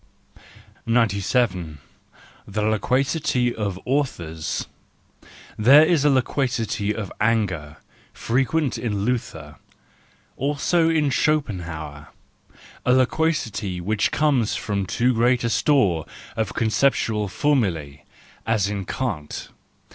97 The Loquacity of Authors .—There is a loquacity of anger—frequent in Luther, also in Schopenhauer. A loquacity which comes from too great a store of conceptual formulae, as in Kant.